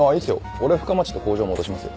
俺深町と工場戻しますよ。